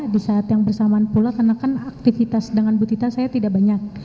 di saat yang bersamaan pula karena kan aktivitas dengan butita saya tidak banyak